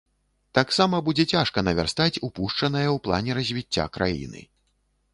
Таксама будзе цяжка навярстаць упушчанае ў плане развіцця краіны.